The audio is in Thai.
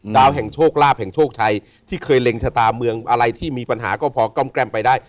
ดาวแห่งโชคลาภแห่งโชคชัยที่เคยเล็งชะตาเมืองอะไรที่มีปัญหาก็พอกล้อมแกล้มไปได้